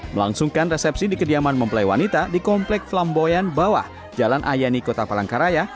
melangsungkan resepsi di kediaman mempelai wanita di komplek flamboyan bawah jalan ayani kota palangkaraya